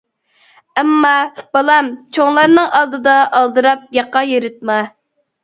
ئەمما، بالام چوڭلارنىڭ ئالدىدا ئالدىراپ ياقا يىرتما!